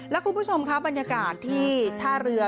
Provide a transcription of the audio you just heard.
แล้วคุณผู้ชมค่ะบรรยากาศที่ท่าเรือ